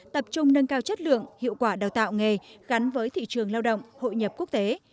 tập trung nâng cao chất lượng hiệu quả đào tạo nghề gắn với thị trường lao động hội nhập quốc tế